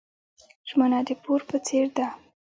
ژمنه د پور په څیر ده.